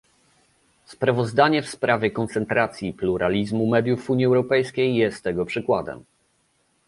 Sprawozdanie w sprawie koncentracji i pluralizmu mediów w Unii Europejskiej jest tego przykładem